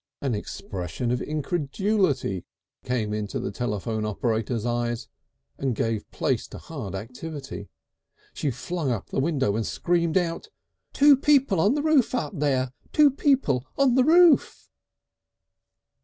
An expression of incredulity came into the telephone operator's eyes and gave place to hard activity. She flung up the window and screamed out: "Two people on the roof up there! Two people on the roof!"